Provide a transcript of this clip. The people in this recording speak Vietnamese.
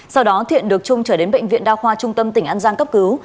sau đó thiện được chung trở đến bệnh viện đa khoa trung tâm tỉnh an giang cấp cứu